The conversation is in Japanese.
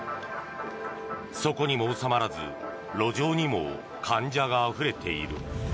そこにも収まらず路上にも患者があふれている。